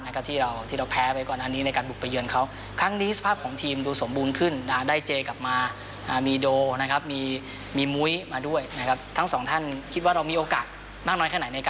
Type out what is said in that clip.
ในการเล่นในบ้านที่จะเก็บ๓คะแนนกับทางอีรักษ์ได้